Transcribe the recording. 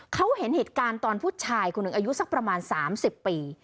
เขาเห็นเหตุการณ์ตอนผู้ชายคนหนึ่งอายุสักประมาณ๓๐ปี